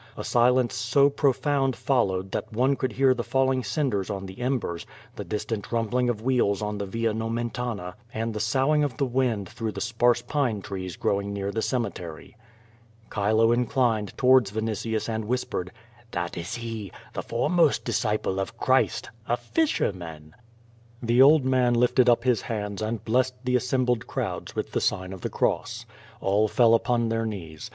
A silence so pro found followed that one could hear the falling cinders on the embers, the distant rumbling of wheels on the Via No mentana, and the soughing of the wind through the sparse pine trees growing near the cemetery. Chilo inclined towards Vinitius and whispered: / "That is he! The foremost disciple of Christ — a fisher / man!" The old man lifted up his hands and blessed the assembled crowds with the sign of the cross. All fell upon their knees.